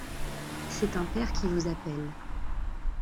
C'est un père qui vous appelle.